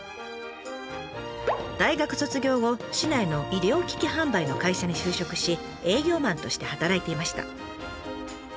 大学卒業後市内の医療機器販売の会社に就職し営業マンとして働いていました。